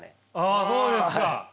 あそうですか。